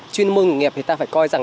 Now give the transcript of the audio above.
chuyên môn nghệ nghiệp thì ta phải coi rằng